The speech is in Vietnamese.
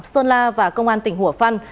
sơn la và công an tỉnh hủa phan